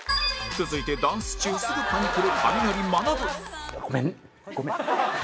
続いてダンス中すぐパニくるカミナリまなぶごめんごめん。